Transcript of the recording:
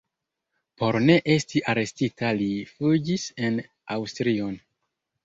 Por ne esti arestita li fuĝis en Aŭstrion.